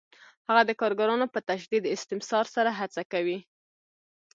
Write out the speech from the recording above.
هغه د کارګرانو په شدید استثمار سره هڅه کوي